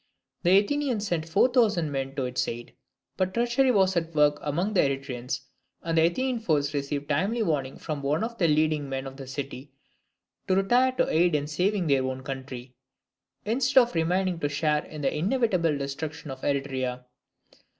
The Athenians sent four thousand men to its aid. But treachery was at work among the Eretrians; and the Athenian force received timely warning from one of the leading men of the city to retire to aid in saving their own country, instead of remaining to share in the inevitable destruction of Eretria.